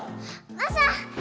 マサ！